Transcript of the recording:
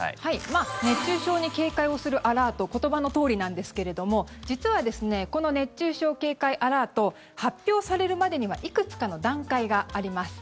まあ、熱中症に警戒をするアラート言葉のとおりなんですけれども実はこの熱中症警戒アラート発表されるまでにはいくつかの段階があります。